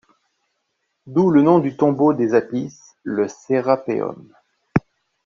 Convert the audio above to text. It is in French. D'où le nom du tombeau des Apis, le Sérapéum.